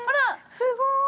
◆すごーい。